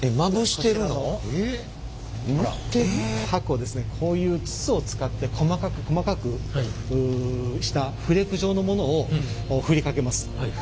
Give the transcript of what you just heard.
箔をこういう筒を使って細かく細かくしたフレーク状のものをふりかけます。